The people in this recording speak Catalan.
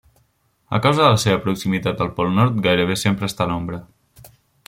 A causa de la seva proximitat al pol nord, gairebé sempre està a l'ombra.